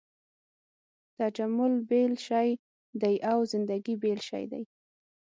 تجمل بېل شی دی او زندګي بېل شی دی.